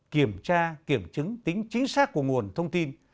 kiểm tra kiểm chứng tính chính xác của nguồn thông tin